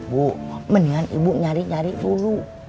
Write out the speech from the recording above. bu mendingan ibu nyari nyari dulu